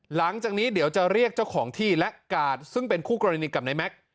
หลังจากนี้เดี๋ยวจะเรียกเจ้าของที่และกาดซึ่งเป็นคู่กรณีกับนายแม็กซ์